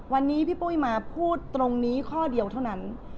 วันนี้พี่ปุ้ยมาพูดตรงนี้ข้อเดียวเท่านั้น